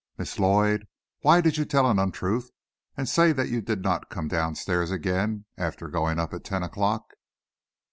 "Miss Lloyd, why did you tell an untruth, and say you did not come down stairs again, after going up at ten o'clock?"